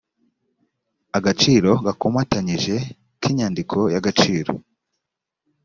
agaciro gakomatanyije k inyandiko y agaciro